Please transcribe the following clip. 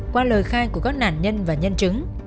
qua lời khai của các nạn nhân và nhân chứng